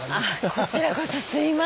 こちらこそすいません。